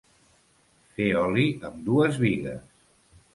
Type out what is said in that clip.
Fer oli amb dues bigues.